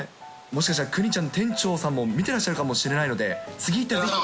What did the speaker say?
もしかしたら、くにちゃん店長さんも見てらっしゃるかもしれないので、次行ったらぜひ。